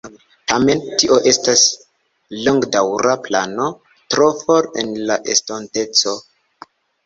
Tamen, tio estas longdaŭra plano tro for en la estonteco.